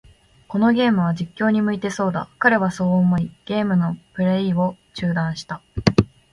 このゲームは、実況に向いてそうだ。彼はそう思い、ゲームのプレイを中断した。